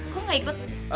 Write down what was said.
kok gak ikut